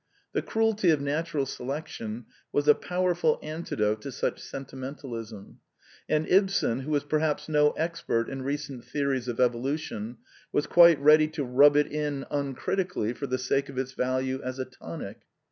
The cruelty of Natural Selection was a powerful antidote to such sentimentalism ; and Ibsen, who was perhaps no expert in recent theories of evolution, was quite ready to rub it in uncritically for the sake of its value as a tonic.